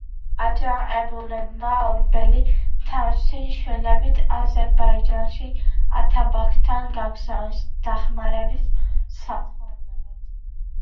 აჯანყებულებმა ორბელი თავისი შვილებით აზერბაიჯანში ათაბაგთან გაგზავნეს დახმარების სათხოვნელად.